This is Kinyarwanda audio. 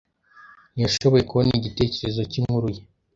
Ntiyashoboye kubona igitekerezo cyinkuru ye.